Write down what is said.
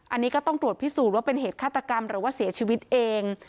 อันนี้ก็ต้องตรวจพิสูจน์ว่าเป็นเหตุฆาตกรรมหรือว่าเสียชีวิตเอง